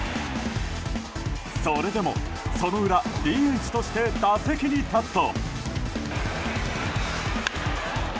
それでもその裏ＤＨとして打席に立つと。